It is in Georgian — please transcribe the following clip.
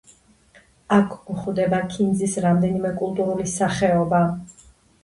აქ გვხვდება ქინძის რამდენიმე კულტურული სახეობა.